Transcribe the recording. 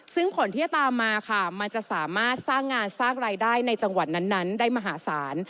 ซึ่งผลที่จะตามมาค่ะมันจะสามารถสร้างงานสร้างรายได้ในจังหวัดนั้นได้มหาศาล